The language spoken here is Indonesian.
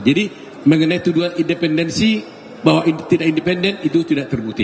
jadi mengenai tuduhan independensi bahwa tidak independen itu tidak terbukti